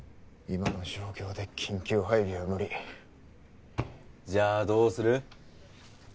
今の状況で緊急配備は無理じゃあどうする？